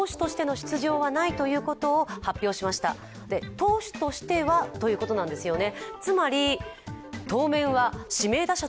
投手としては、ということなんですよね。